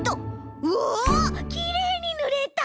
うおきれいにぬれた！